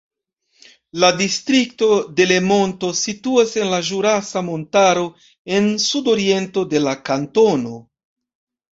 La Distrikto Delemonto situas en la Ĵurasa Montaro en sudoriento de la kantono.